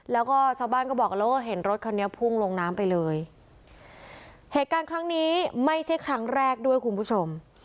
แล้วก็ชาวบ้านก็บอกแล้วว่าเห็นรถคันนี้พุ่งลงน้ำไปเลยเหตุการณ์ครั้งนี้ไม่ใช่ครั้งแรกด้วยคุณผู้ชม